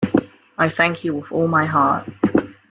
I thank you with all my heart.